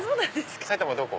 埼玉どこ？